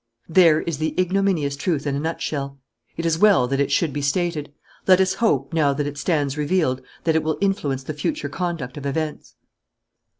"There is the ignominious truth in a nutshell. It is well that it should be stated. Let us hope, now that it stands revealed, that it will influence the future conduct of events."